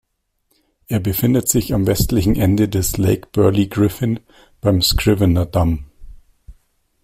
Er befindet sich am westlichen Ende des Lake Burley Griffin beim Scrivener-Damm.